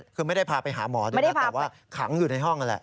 คือไม่ได้พาไปหาหมอด้วยนะแต่ว่าขังอยู่ในห้องนั่นแหละ